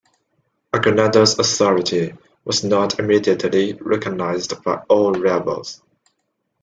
Aguinaldo's authority was not immediately recognized by all rebels.